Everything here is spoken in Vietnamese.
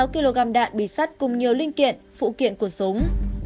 sáu kg đạn bị sắt cùng nhiều linh kiện phụ kiện của súng